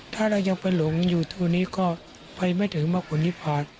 ถ้าเรายังเป็นหลงอยู่ตัวนี้ก็ไปไม่ถึงมาขวดนิพพาส